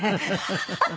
ハハハハ！